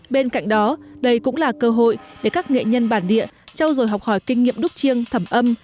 bên cạnh đó đây cũng là cơ hội để các nghệ nhân bản địa trau dồi học hỏi kinh nghiệm đúc chiêng thẩm âm